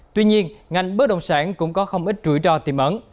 tuy nhiên ngành bớt đồng sản cũng có không ít rủi ro tìm ẩn